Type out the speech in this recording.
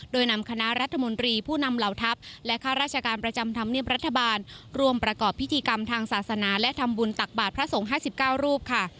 โดยนำคณะรัฐมนตรีผู้นำเหล่าทัพและข้าราชการประจำธรรมเนียบรัฐบาลรวมประกอบพิธีกรรมทางศาสนาและทำบุญตักบาทพระสงฆ์๕๙รูปค่ะ